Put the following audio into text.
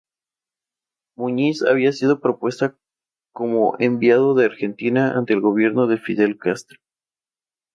Muñiz había sido propuesto como enviado de Argentina ante el gobierno de Fidel Castro.